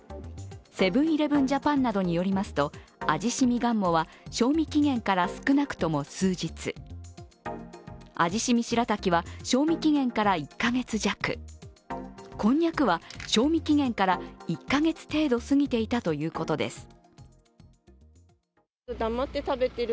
セブン−イレブン・ジャパンなどによりますと、味しみがんもは賞味期限から少なくとも数日、味しみ白滝は賞味期限から１カ月弱こんにゃくは、賞味期限から１カ月程度過ぎていたということです。